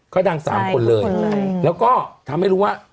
ก็ดังสามคนเลยแล้วก็ทำให้รู้ว่า